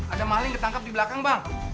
ada maling ketangkap di belakang bang